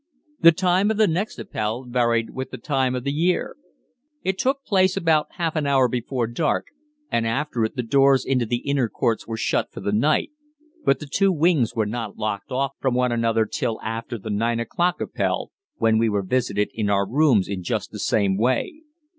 The time of the next Appell varied with the time of the year. It took place about half an hour before dark, and after it the doors into the inner courts were shut for the night, but the two wings were not locked off from one another till after the 9 o'clock Appell, when we were visited in our rooms in just the same way.